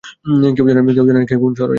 কেউ জানে না কে কোন শহরে যাচ্ছে।